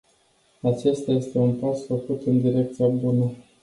Acesta este un pas făcut în direcția bună.